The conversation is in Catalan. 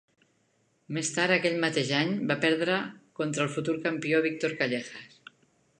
Més tard aquell mateix any, va perdre contra el futur campió Víctor Callejas.